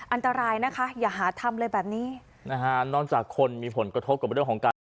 อันตรายนะคะอย่าหาทำเลยแบบนี้นะฮะนอกจากคนมีผลกระทบกับเรื่องของการ